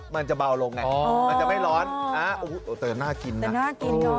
มันจะเบาลงไงอ๋อมันจะไม่ร้อนอ่าโอ้โหแต่น่ากินน่ะแต่น่ากินก็